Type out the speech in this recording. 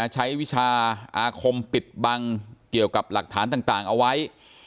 วิชาอาคมปิดบังเกี่ยวกับหลักฐานต่างเอาไว้